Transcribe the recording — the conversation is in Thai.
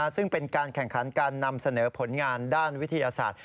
ซึ่งเป็นการแข่งขันการนำเสนอผลงานด้านวิทยาศาสตร์